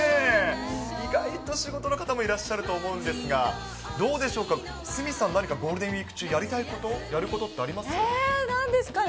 意外と仕事の方もいらっしゃると思うんですが、どうでしょうか、鷲見さん、何かゴールデンウィーク中やりたいこと、やることであなんですかね。